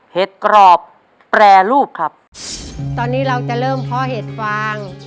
เห็ดกรอบแปรรูปครับตอนนี้เราจะเริ่มเพาะเห็ดฟาง